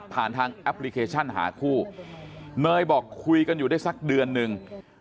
ทางแอปพลิเคชันหาคู่เนยบอกคุยกันอยู่ได้สักเดือนนึง